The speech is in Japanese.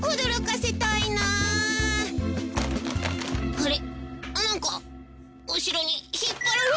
あれ？